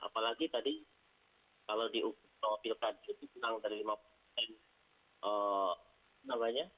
apalagi tadi kalau diukur pilkada itu menang dari lima puluh persen